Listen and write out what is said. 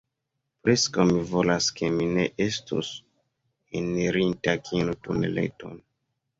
Preskaŭ mi volas ke mi ne estus enirinta tiun tuneleton.